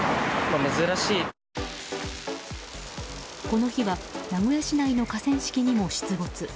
この日は名古屋市内の河川敷にも出没。